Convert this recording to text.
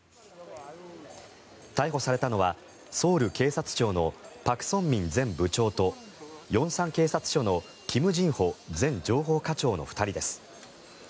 逮捕されたのはソウル警察庁のパク・ソンミン前部長と龍山警察署のキム・ジンホ前情報課長の２人です。